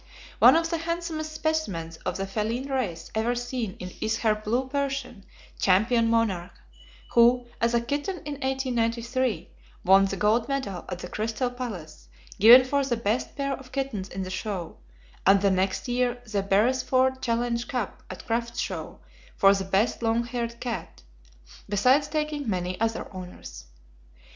One of the handsomest specimens of the feline race ever seen is her blue Persian, Champion Monarch, who, as a kitten in 1893, won the gold medal at the Crystal Palace given for the best pair of kittens in the show, and the next year the Beresford Challenge Cup at Cruft's Show, for the best long haired cat, besides taking many other honors.